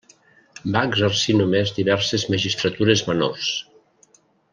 Va exercir només diverses magistratures menors.